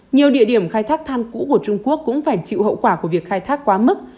nhiều địa điểm khai thác than cũ của trung quốc cũng phải chịu hậu quả của việc khai thác quá mức